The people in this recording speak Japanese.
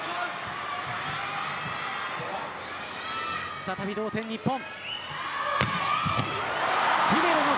再び同点、日本。